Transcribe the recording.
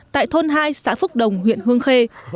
tại thôn hai xã phúc đồng huyện hương khê